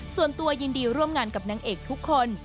ส่วนตัวยินดีร่วมงานกับนางเอกทุกคน